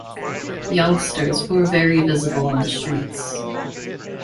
Youngsters were very visible on the streets.